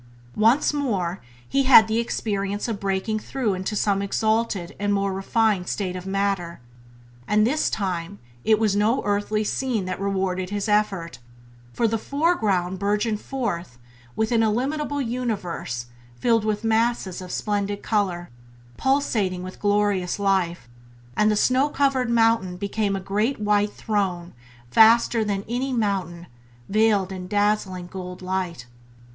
Once more he had the experience of breaking through into some exalted and more refined state of matter; and this time it was no earthly scene that rewarded his effort, for the foreground burgeoned forth into an illimitable universe filled with masses of splendid colour, pulsating with glorious life, and the snow cowered mountain became a great White Throne vaster than any mountain, veiled in dazzling golden light.